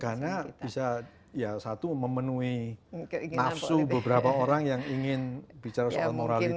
karena bisa ya satu memenuhi nafsu beberapa orang yang ingin bicara soal moralitas dan sebagainya